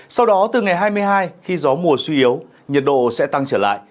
sau đó từ ngày hai mươi hai khi gió mùa suy yếu nhiệt độ sẽ tăng trở lại